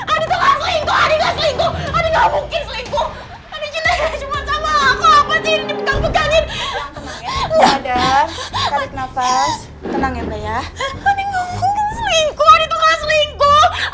adi ngomong kan selingkuh adi tuh gak selingkuh